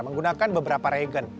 menggunakan beberapa regen